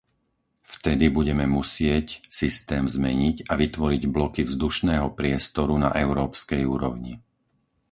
Vtedy budeme musieť systém zmeniť a vytvoriť bloky vzdušného priestoru na európskej úrovni.